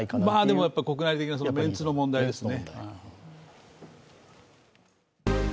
でも、国内的なメンツの問題ですね。